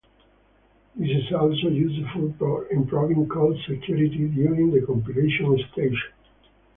This is also useful for improving code security during the compilation stages.